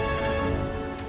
seandainya reina itu anak kamu